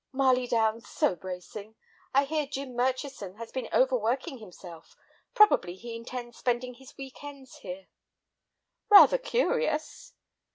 "Marley Down's so bracing. I hear Jim Murchison has been overworking himself. Probably he intends spending his week ends here." "Rather curious."